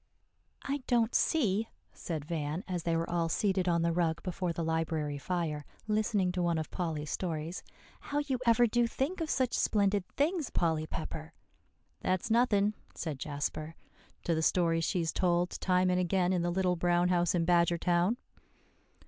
"I don't see," said Van as they were all seated on the rug before the library fire, listening to one of Polly's stories, "how you ever do think of such splendid things, Polly Pepper." "That's nothing," said Jasper, "to the stories she has told time and again in The Little Brown House in Badgertown."